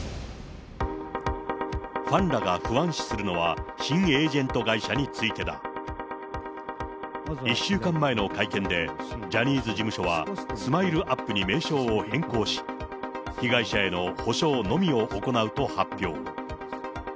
ファンらが不安視するのは、新エージェント会社についてだ。１週間前の会見で、ジャニーズ事務所はＳＭＩＬＥーＵＰ．に名称を変更し、被害者への補償のみを行うと発表。